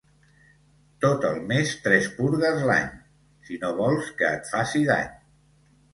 Tot el més tres purgues l'any, si no vols que et faci dany.